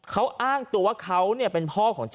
เขาอ้างตัวว่าเขาเนี่ยเป็นพ่อของเจ้าของบ้าน